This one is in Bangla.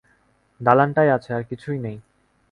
দালানটাই আছে, আর কিছুই নেই।